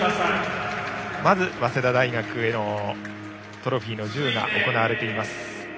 まず、早稲田大学へのトロフィーの授与が行われました。